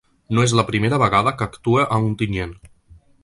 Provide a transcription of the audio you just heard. No és la primera vegada que actue a Ontinyent.